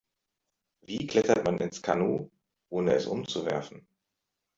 Wie klettert man ins Kanu, ohne es umzuwerfen?